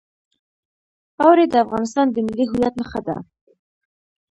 اوړي د افغانستان د ملي هویت نښه ده.